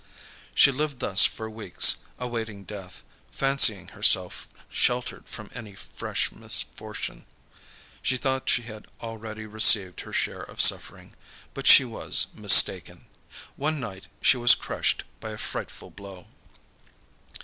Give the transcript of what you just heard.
She lived thus for weeks, awaiting death, fancying herself sheltered from any fresh misfortune. She thought she had already received her share of suffering. But she was mistaken. One night she was crushed by a frightful blow.